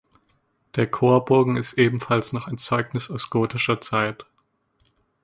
Der Chorbogen ist ebenfalls noch ein Zeugnis aus gotischer Zeit.